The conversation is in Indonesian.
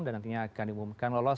dan nantinya akan diumumkan lolos